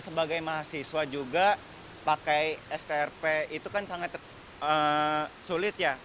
sebagai mahasiswa juga pakai strp itu kan sangat sulit ya